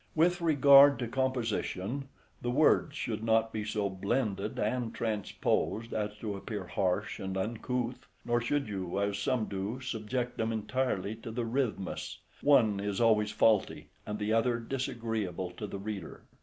With regard to composition, the words should not be so blended and transposed as to appear harsh and uncouth; nor should you, as some do, subject them entirely to the rhythmus; one is always faulty, and the other disagreeable to the reader.